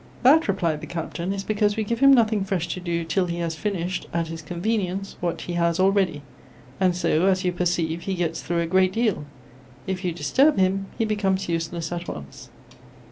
" That," replied the Captain, " is because we give him nothing fresh to do till he has finished, at his convenience, what he has already ; and so, as you perceive, he gets through a great deal. If you disturb him, he becomes useless at once."